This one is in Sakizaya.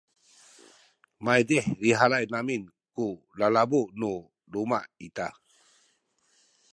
maydih lihalay amin ku lalabu nu luma’ ita